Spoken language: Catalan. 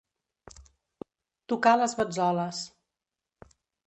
Tocar les batzoles.